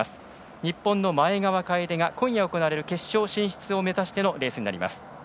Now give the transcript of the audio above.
日本の前川楓が今夜行われる決勝進出を目指してのレースになります。